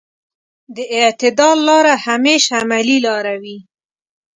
د اعتدال لاره همېش عملي لاره وي.